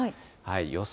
予想